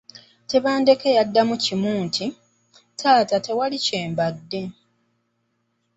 Tebandeke yaddamu kimu nti, “Taata tewali kyembadde”.